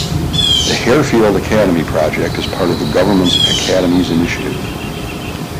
The Harefield Academy project is part of the Government's Academies initiative.